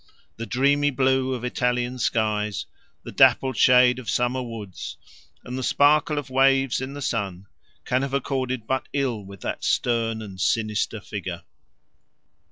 The dreamy blue of Italian skies, the dappled shade of summer woods, and the sparkle of waves in the sun, can have accorded but ill with that stern and sinister figure.